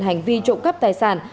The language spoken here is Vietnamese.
hành vi trộm cắp tài sản